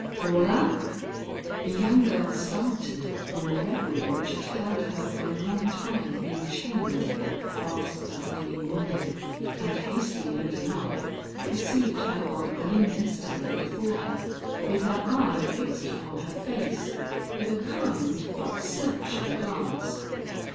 "Paula!" The young girl started from a reverie which had held her for a long time enchained at that fast darkening window, and hastily looking up, perceived her Aunt Belinda standing before her, with her eye fixed upon her face, with a kind but searching glance.